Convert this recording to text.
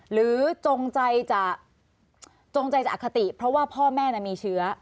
จงใจจะจงใจจะอคติเพราะว่าพ่อแม่มีเชื้อ